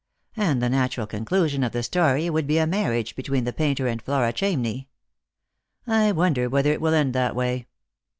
And the natural conclusion of the story •would be a marriage between the painter and Flora Chamney. I wonder whether it will end that way.